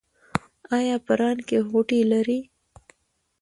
ایا په ران کې غوټې لرئ؟